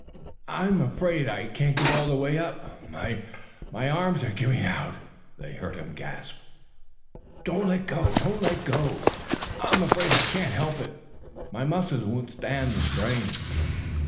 "I'm afraid I can't get all the way up. My arms are giving out," they heard him gasp. "Don't let go! Don't let go!" "I'm afraid I can't help it, my muscles won't stand the strain."